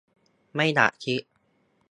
ไม่อยากคิด